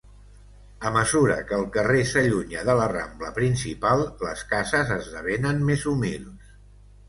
A mesura que el carrer s'allunya de la Rambla Principal les cases esdevenen més humils.